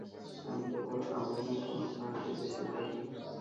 আমি কেবল আমায় নিয়ে কোন প্রাণেতে বেঁচে থাকি।